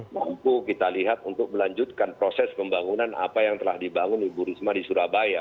mampu kita lihat untuk melanjutkan proses pembangunan apa yang telah dibangun ibu risma di surabaya